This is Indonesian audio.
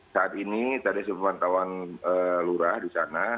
saat ini tadi sepemantauan lurah di sana